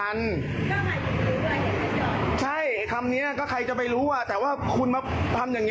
อย่างนี้ถ้ารถที่๘ทาสติกเกอร์นี้หัวขึ้นหมดเลยเนี่ย